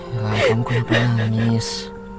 ya allah aku udah penangis